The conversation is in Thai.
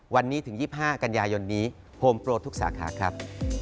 วันนี้ถึง๒๕กันยายนนี้โฮมโปรทุกสาขาครับ